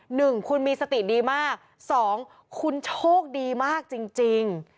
หนึ่งคุณมีสติดีมากสองคุณโชคดีมากจริงจริง